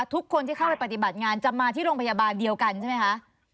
ทุกคนที่เข้าไปปฏิบัติงานจะมาที่โรงพยาบาลเดียวกันใช่ไหมคะ